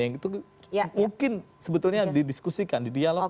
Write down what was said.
yang itu mungkin sebetulnya didiskusikan didialog